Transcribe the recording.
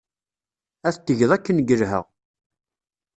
Ad t-tged akken yelha.